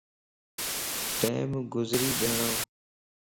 ٽيم گزري ٻيھڻو